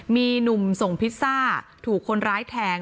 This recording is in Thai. มีหนุ่มส่งพิซซ่าถูกคนร้ายแทง